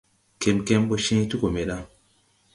Kɛmkɛm ɓɔ cẽẽ ti gɔ me ɗa.